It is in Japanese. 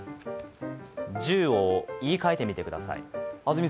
１０を言い換えてみてください。